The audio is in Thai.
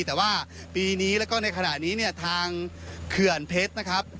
แต่ว่าปีนี้แล้วก็ในขณะนี้เนี่ยทางเขื่อนเพชรนะครับ